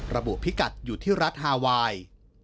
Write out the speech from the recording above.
พิกัดอยู่ที่รัฐฮาไวน์